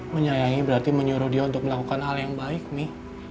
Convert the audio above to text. menyayangi berarti menyuruh dia untuk melakukan hal yang baik nih